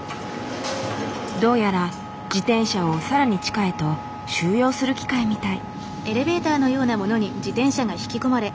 どうやら自転車を更に地下へと収容する機械みたい。